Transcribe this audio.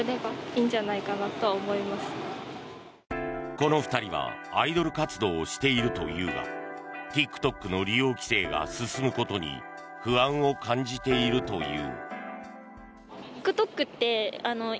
この２人はアイドル活動をしているというがＴｉｋＴｏｋの利用規制が進むことに不安を感じているという。